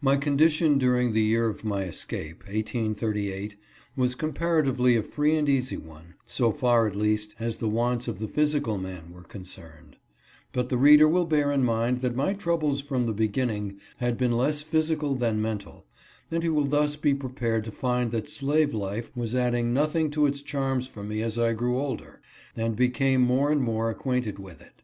MY condition during the year of my escape (1838) was comparatively a free and easy one, so far, at least, as the wants of the physical man were concerned ; but the reader will bear in mind that my troubles from the beginning had been less physical than mental, and he will thus be prepared to find that slave life was adding nothing to its charms for me as I grew older, and be came more and more acquainted with it.